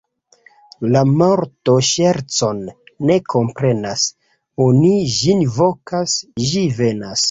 La morto ŝercon ne komprenas: oni ĝin vokas, ĝi venas.